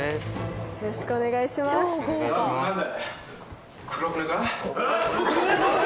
よろしくお願いします。